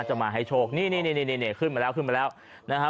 จะมาให้โชคนี่นี่ขึ้นมาแล้วขึ้นมาแล้วนะฮะ